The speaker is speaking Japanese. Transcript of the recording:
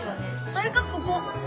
それかここ！